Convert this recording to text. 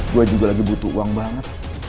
gue juga lagi butuh uang banget